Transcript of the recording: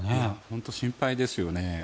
本当、心配ですよね。